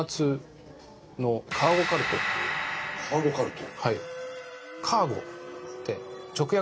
カーゴカルト？